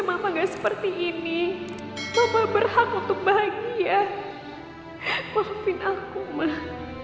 mama gak seperti ini mama berhak untuk bahagia pemimpin aku mah